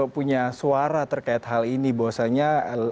punya suara terkait hal ini bahwasannya